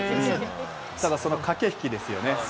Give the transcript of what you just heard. ただ駆け引きですよね。